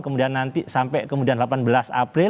kemudian nanti sampai kemudian delapan belas april